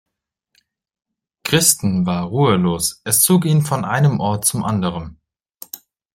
Christen war ruhelos, es zog ihn von einem Ort zum anderen.